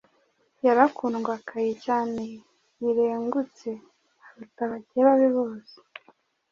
Yarakundwakaye cyane birengutse, aruta bakeba be bose,